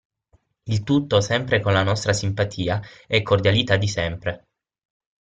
Il tutto sempre con la nostra simpatia e cordialità di sempre!